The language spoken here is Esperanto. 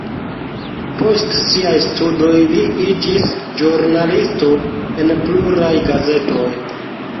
Post siaj studoj li iĝis ĵurnalisto en pluraj gazetoj.